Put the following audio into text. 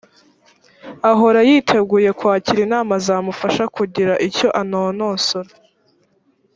ahora yiteguye kwakira inama zamufasha kugira icyo anonosora